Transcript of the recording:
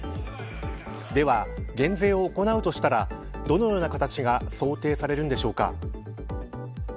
では、減税を行うとしたらどのような形が想定されるんでしょうか。